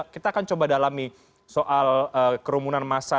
kita akan coba dalami soal kerumunan massa